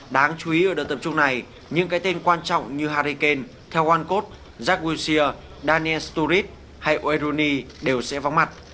đáng chú ý ở đợt tập trung này những cái tên quan trọng như harry kane theo onecode jack wilshere daniel sturridge hay o reilly đều sẽ vắng mặt